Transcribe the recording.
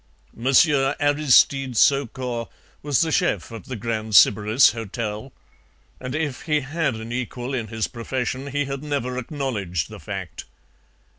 Monsieur Aristide Saucourt was the CHEF of the Grand Sybaris Hotel, and if he had an equal in his profession he had never acknowledged the fact.